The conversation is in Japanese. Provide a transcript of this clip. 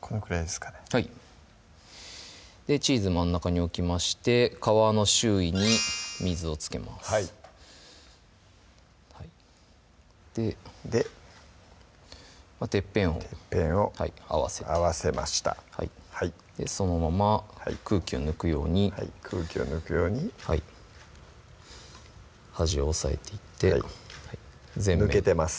このくらいですかねはいチーズ真ん中に置きまして皮の周囲に水をつけますはいででてっぺんを合わせて合わせましたそのまま空気を抜くように空気を抜くように端を押さえていって抜けてます